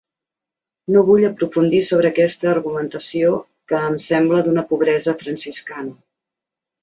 No vull aprofundir sobre aquesta argumentació, que em sembla d’una pobresa franciscana.